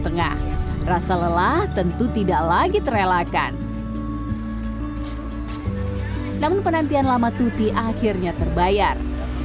tengah rasa lelah tentu tidak lagi terelakkan namun penantian lama tuti akhirnya terbayar